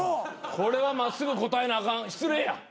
これは真っすぐ答えなあかん失礼や。